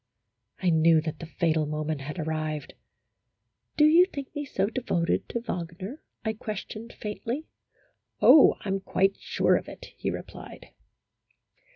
I knew that the fatal moment had arrived. " Do you think me so devoted to Wagner ?" I questioned, faintly. " Oh, I 'm quite sure of it," he replied.